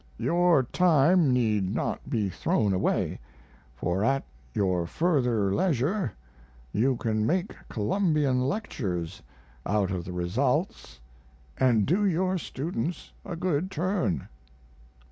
Your time need not be thrown away, for at your further leisure you can make Columbian lectures out of the results & do your students a good turn.